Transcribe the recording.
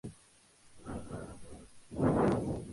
La escalera y su barandilla de hierro forjado se habían conservado.